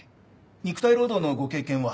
肉体労働のご経験は？